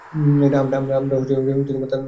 আমরা তাদের বের করতাম।